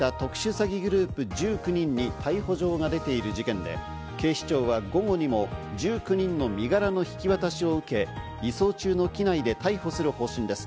詐欺グループ１９人に逮捕状が出ている事件で、警視庁は午後にも１９人の身柄の引き渡しを受け、移送中の機内で逮捕する方針です。